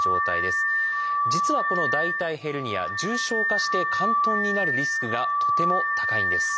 実はこの大腿ヘルニア重症化して嵌頓になるリスクがとても高いんです。